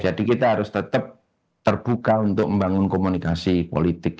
jadi kita harus tetap terbuka untuk membangun komunikasi politik